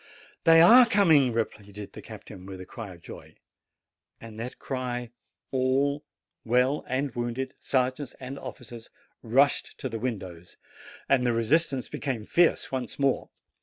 'They are coming!" repeated the captain, with a cry of joy. At that cry all, well and wounded, sergeants and officers, rushed to the windows, and the resistance became fierce once more.